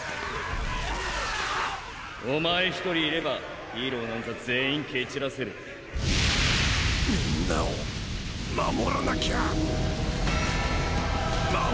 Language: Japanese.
おまえ１人いればヒーローなんざ全員蹴散らせる皆を守らなきゃあ！